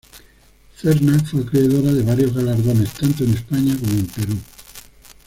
Cerna fue acreedora de varios galardones tanto en España como en Perú.